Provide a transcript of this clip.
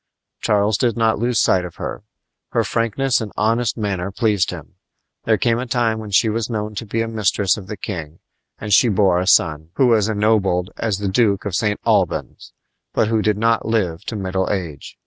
Charles did not lose sight of her. Her frankness and honest manner pleased him. There came a time when she was known to be a mistress of the king, and she bore a son, who was ennobled as the Duke of St. Albans, but who did not live to middle age.